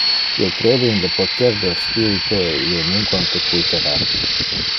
Io crede in le poter del spirito e io nunquam te quitara.